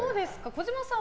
児嶋さん